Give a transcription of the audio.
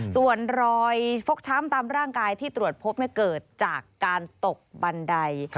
ส่วนรอยฟกช้ำตามร่างกายที่ตรวจพบเกิดจากการตกบันได